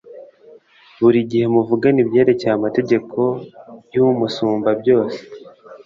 buri gihe muvugane ibyerekeye amategeko y'umusumbabyose